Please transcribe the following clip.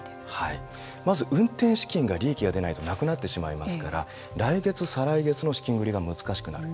まず運転資金が利益が出ないとなくなってしまいますと来月、再来月の資金繰りが難しくなる。